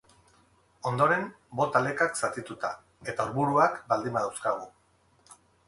Ondoren, bota lekak zatituta eta orburuak, baldin badauzkagu.